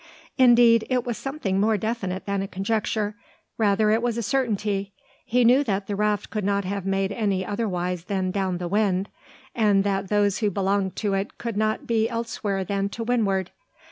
Indeed, it was something more definite than a conjecture. Rather was it a certainty. He knew that the raft could not have made way otherwise than down the wind; and that those who belonged to it could not be elsewhere than to windward.